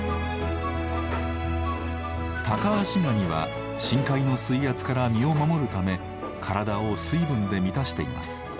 タカアシガニは深海の水圧から身を守るため体を水分で満たしています。